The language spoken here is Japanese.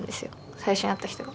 最初に会った人が。